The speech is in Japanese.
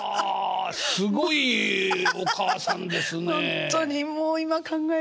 すごいお母さんですねえ。